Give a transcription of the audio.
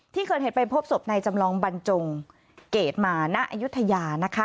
ที่เกิดเหตุไปพบศพในจำลองบรรจงเกรดมาณอายุทยานะคะ